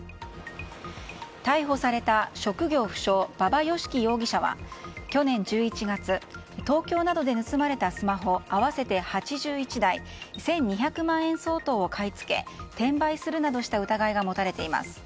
逮捕された職業不詳馬場義貴容疑者は去年１１月東京などで盗まれたスマホ合わせて８１台１２００万円相当を買い付け転売するなどした疑いが持たれています。